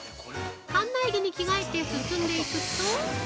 館内着に着替えて進んでいくと。